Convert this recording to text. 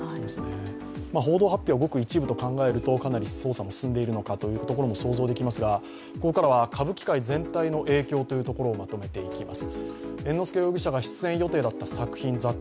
報道発表、ごく一部と考えるとかなり捜査も進んでいるのかと考えることもできますがここからは歌舞伎界全体の影響をまとめていきます。